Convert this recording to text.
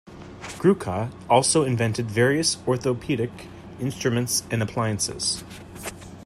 Gruca also invented various orthopaedic instruments and appliances.